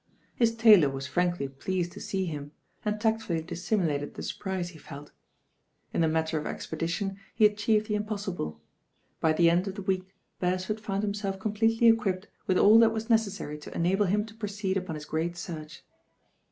His tailor was frankly pleased to see him, and tactfully dissimulated the surprise he felt. In the matter of expedition he achieved the impos sible. By the end of the week Beresford found him self completely equipped with all that was necessary to enable him to proceed upon his great search.